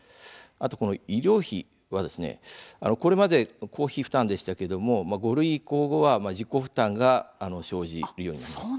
医療費は、これまで公費負担でしたけれども５類移行後は自己負担が生じます。